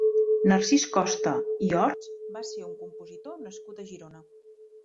Narcís Costa i Horts va ser un compositor nascut a Girona.